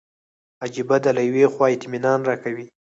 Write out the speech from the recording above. عجیبه ده له یوې خوا اطمینان راکوي.